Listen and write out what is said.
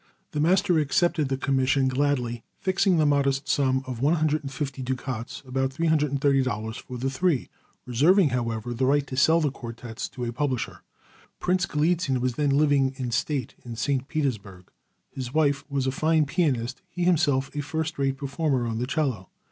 The master accepted the commission gladly, fixing the modest sum of one hundred and fifty ducats (about $330) for the three, reserving, however, the right to sell the quartets to a publisher. Prince Galitzin was then living in state in St. Petersburg. His wife was a fine pianist, he himself a first rate performer on the cello.